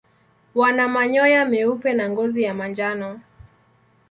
Wana manyoya meupe na ngozi ya manjano.